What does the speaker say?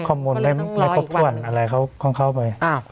ข้อมูลไม่ครบถ้วนอะไรของเขาไป